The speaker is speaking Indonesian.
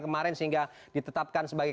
kemarin sehingga ditetapkan sebagai